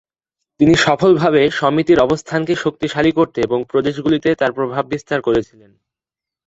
তিনি সফলভাবে সমিতির অবস্থানকে শক্তিশালী করতে এবং প্রদেশগুলিতে তার প্রভাব বিস্তার করেছিলেন।